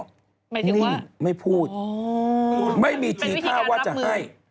หมายถึงว่าอ๋อเป็นวิธีการรับมือไม่พูดไม่มีทีท่าว่าจะให้